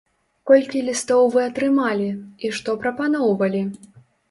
Колькі лістоў вы атрымалі, і што прапаноўвалі?